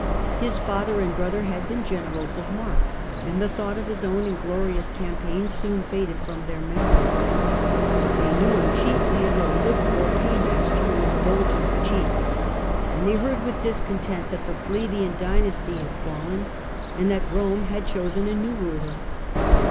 His father and brother had been generals of mark, and the thought of his own inglorious campaigns soon faded from their memory ; they knew him chiefly as a liberal paymaster and indulgent chief, and they heard with discontent that the Flavian dynasty had fallen, and that Rome had chosen a new ruler.